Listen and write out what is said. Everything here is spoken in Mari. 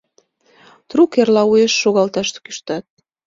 Трук эрла уэш шогалташ кӱштат?..